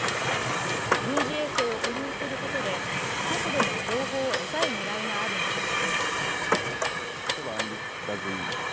軍事衛星を保有することで、少しでも情報を得たい狙いがあるのです。